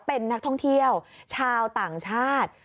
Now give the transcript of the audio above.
เป็นนักท่องเที่ยวชาวต่างชาติ